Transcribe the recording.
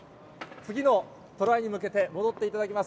次のトライに向けて、戻っていただきます。